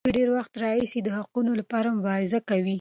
دوی له ډېر وخت راهیسې د حقونو لپاره مبارزه کوي.